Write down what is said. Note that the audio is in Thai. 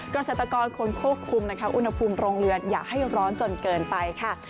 เกษตรกรควรควบคุมนะคะอุณหภูมิโรงเรือนอย่าให้ร้อนจนเกินไปค่ะ